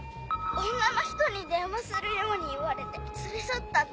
女の人に電話するように言われて連れ去ったって。